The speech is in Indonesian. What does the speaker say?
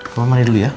kau mandi dulu ya